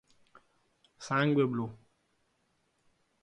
Sangue blu